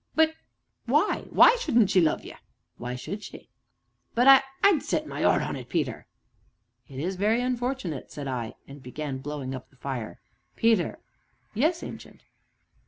"But why why shouldn't she love ye?" "Why should she?" "But I I'd set my 'eart on it, Peter." "It is very unfortunate!" said I, and began blowing up the fire. "Peter." "Yes, Ancient?"